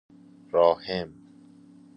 راحم